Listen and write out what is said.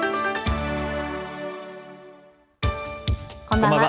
こんばんは。